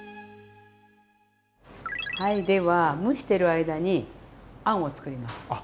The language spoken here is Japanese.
はいでは蒸してる間にあんをつくります。